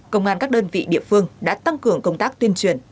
công an các đơn vị địa phương đã tăng cường công tác tuyên truyền